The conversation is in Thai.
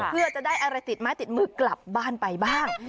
เพื่อจะได้อะไรติดไม้ติดมือกลับบ้านไปบ้าง